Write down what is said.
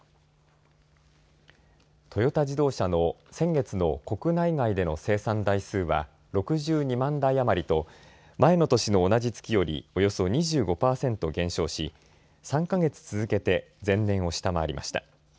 トヨタ自動車の先月の国内外での生産台数は６２万台余りと前の年の同じ月よりおよそ２５％減少し３か月続けて前年を下回りました。